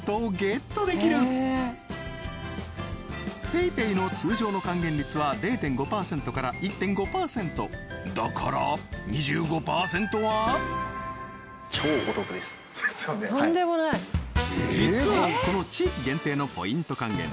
そうこのＰａｙＰａｙの通常の還元率は０．５％から１．５％だから２５％は実はこの地域限定のポイント還元